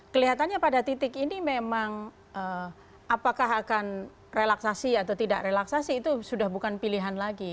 kelihatannya pada titik ini memang apakah akan relaksasi atau tidak relaksasi itu sudah bukan pilihan lagi